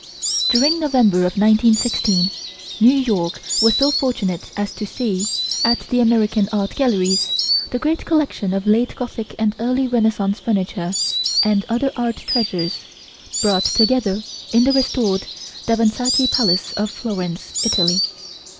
During November of 1916, New York was so fortunate as to see, at the American Art Galleries, the great collection of late Gothic and early Renaissance furniture and other art treasures, brought together in the restored Davanzati Palace of Florence, Italy.